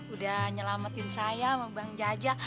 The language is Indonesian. udah nyelamatin saya sama bang jaja